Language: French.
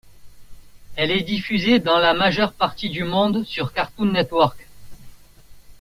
Elle est diffusée dans la majeure partie du monde sur Cartoon Network.